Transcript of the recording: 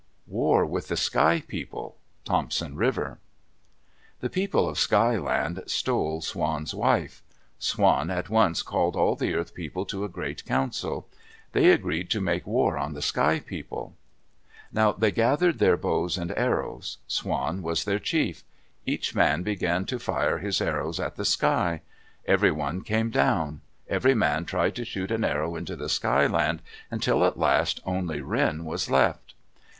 WAR WITH THE SKY PEOPLE Thompson River The people of Sky Land stole Swan's wife. Swan at once called all the Earth People to a great council. They agreed to make war on the Sky People. Now they gathered their bows and arrows. Swan was their chief. Each man began to fire his arrows at the sky. Every one came down. Every man tried to shoot an arrow into the Sky Land, until at last only Wren was left.